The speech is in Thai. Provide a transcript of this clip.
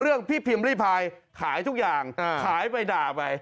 พี่พิมพ์ริพายขายทุกอย่างขายไปด่าไป